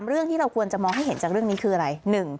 เรื่องที่เราควรจะมองให้เห็นจากเรื่องนี้คืออะไร